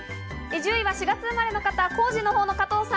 １０位は４月生まれの方、浩次のほうの加藤さん。